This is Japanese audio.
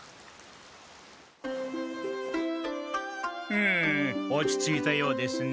ふむ落ち着いたようですね。